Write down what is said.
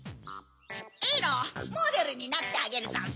えのモデルになってあげるざんす。